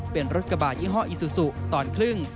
เป็นรถกระบะยี่ห้ออีซูซูตอนครึ่ง